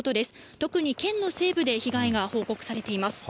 特に県の西部で被害が報告されています。